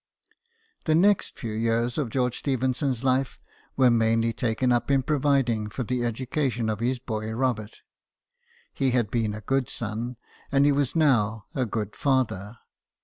The next few years of George Stephenson's life were mainly taken up in providing for the GEORGE STEPHENSON, ENGINE MAN. 43 education of his boy Robert. He had been a good son, and he was now a good father.